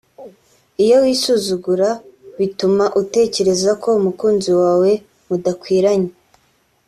Iyo wisuzugura bituma utekereza ko umukunzi wawe mudakwiranye